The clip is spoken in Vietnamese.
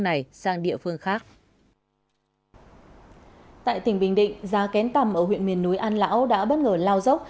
tại tỉnh bình định giá kén tầm ở huyện miền núi an lão đã bất ngờ lao dốc